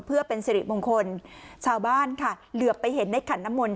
เพื่อเป็นสิริมงคลชาวบ้านค่ะเหลือไปเห็นในขันน้ำมนต